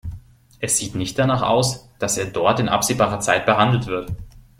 Es sieht nicht danach aus, dass er dort in absehbarer Zeit behandelt wird.